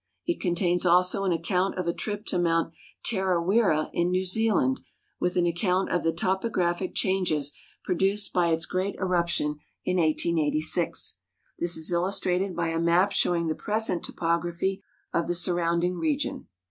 It contains also an account of a trip to Mount Tarawera in New Zealand, with an account of tlie topographic changes produced by its great eruption in 1886. This is illustrated by a map show ing the present topography of the suri'ounding region.